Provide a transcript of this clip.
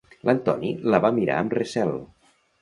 L'Antoni la va mirar amb recel.